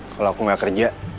kalo aku gak kerja